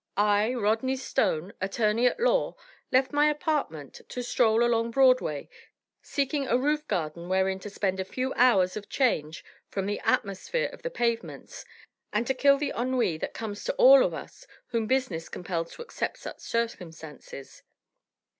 I, Rodney Stone, attorney at law, left my apartment to stroll along Broadway, seeking a roof garden wherein to spend a few hours of change from the atmosphere of the pavements, and to kill the ennui that comes to all of us whom business compels to accept such circumstances.